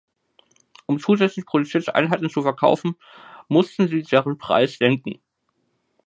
Um zusätzlich produzierte Einheiten zu verkaufen, mussten sie deren Preis senken.